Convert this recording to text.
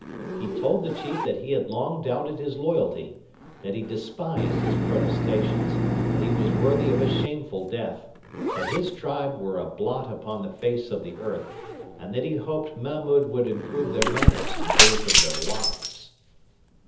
He told the chief that he had long doubted his loyalty, that he despised his protestations, that he was worthy of a shameful death, that his tribe were a blot upon the face of the earth, and that he hoped Mahmud would improve their manners and those of their wives.